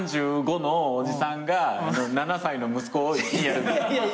３５のおじさんが７歳の息子を。